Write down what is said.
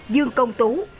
dương công tú